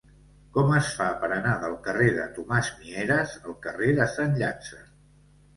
Com es fa per anar del carrer de Tomàs Mieres al carrer de Sant Llàtzer?